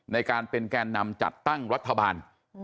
ในการเป็นแกนนำจัดตั้งรัฐบาล